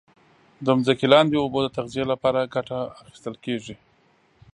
د ځمکې لاندي اوبو د تغذیه لپاره کټه اخیستل کیږي.